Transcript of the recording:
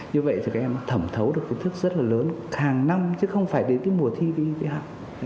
như vậy thì các em thẩm thấu được kỹ thuật rất là lớn hàng năm chứ không phải đến mùa thi đi học